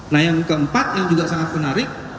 nah yang keempat yang juga sangat menarik